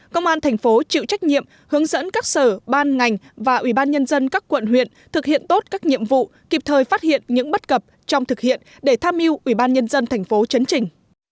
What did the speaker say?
công an thành phố chịu trách nhiệm hướng dẫn các sở ban ngành và ủy ban nhân dân các quận huyện thực hiện tốt các nhiệm vụ kịp thời phát hiện những bất cập trong thực hiện để tham mưu ủy ban nhân dân thành phố chấn trình